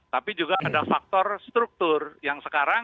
tapi juga ada faktor struktur yang sekarang